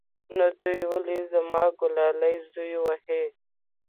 نو دى ولې زما گلالى زوى وهي.